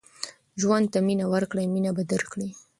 ژوند ته مینه ورکړه مینه به درکړي